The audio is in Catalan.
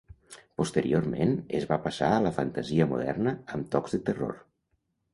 Posteriorment es va passar a la fantasia moderna amb tocs de terror.